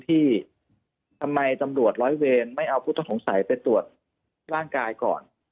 ทำไมจำรวจร้อยเวไม่เอาพุทธสงสัยไปตรวจร่างกายก่อน